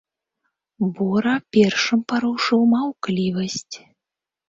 Бора першым парушыў маўклівасць.